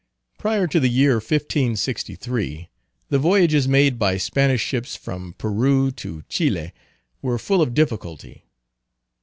Prior to the year 1563, the voyages made by Spanish ships from Peru to Chili, were full of difficulty.